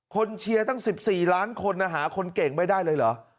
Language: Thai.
เชียร์ตั้ง๑๔ล้านคนหาคนเก่งไม่ได้เลยเหรอ